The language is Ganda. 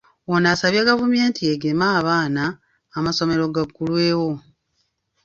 Ono asabye gavumenti egeme abaana, amasomero gaggulwewo.